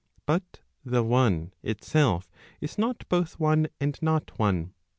But the one itself is not both one and not one.